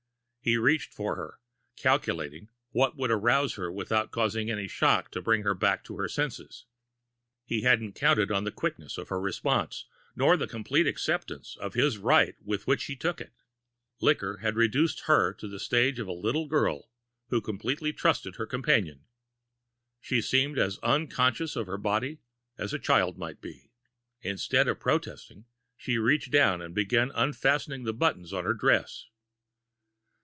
He reached for her, calculating what would arouse her without causing any shock to bring her back to her senses. He hadn't counted on the quickness of her reponse, nor the complete acceptance of his right with which she took it. The liquor had reduced her to the stage of a little girl who competely trusted her companion. She seemed as unconscious of her body as a child might be. Instead of protesting, she reached down and began unfastening the buttons on her dress.